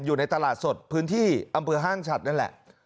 อยู่ในตลาดสดพื้นที่อำเภอห้างฉัดนั่นแหละ